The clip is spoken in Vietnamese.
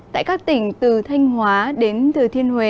tại các tỉnh từ thanh hóa đến thừa thiên huế